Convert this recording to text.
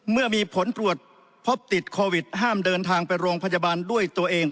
เมื่อมีผลตรวจพบติดโควิดห้ามเดินทางไปโรงพยาบาลด้วยตัวเอง